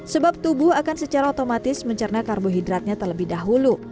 sebab tubuh akan secara otomatis mencerna karbohidratnya terlebih dahulu